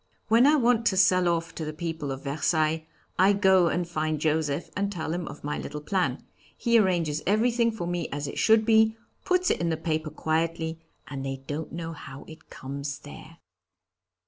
When I want to sell off to the people of Versailles, I go and find Joseph and tell him of my little plan. He arranges everything for me as it should be, puts it in the paper quietly, and they don't know how it comes there!"